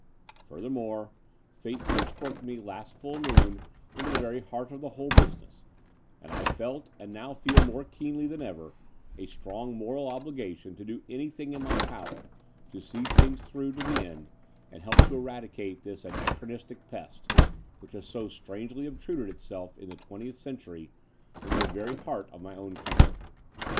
Furthermore, fate pitchforked me 230 The Door of the Unreal last full moon into the very heart of the whole btisi ness; and I felt, and now fed more keenly than ever, a strong moral obligation to do anything in my power to see things through to the end and help to eradicate this anachronistic pest, which has so strangely obtruded itself in the twentieth century into the very heart of my own country.